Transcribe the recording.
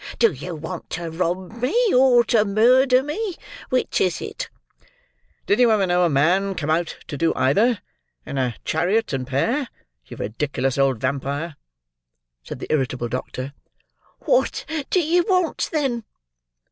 Do you want to rob me, or to murder me? Which is it?" "Did you ever know a man come out to do either, in a chariot and pair, you ridiculous old vampire?" said the irritable doctor. "What do you want, then?"